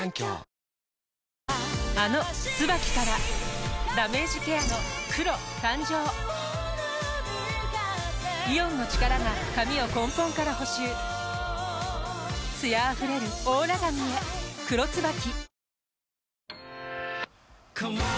あの「ＴＳＵＢＡＫＩ」からダメージケアの黒誕生イオンの力が髪を根本から補修艶あふれるオーラ髪へ「黒ＴＳＵＢＡＫＩ」